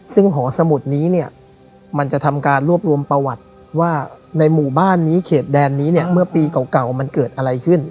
ซึ่งหอสมุดนี้เนี่ยมันจะทำการรวบรวมประวัติว่าในหมู่บ้านนี้เขตแดนนี้เนี่ยเมื่อปีเก่ามันเกิดอะไรขึ้น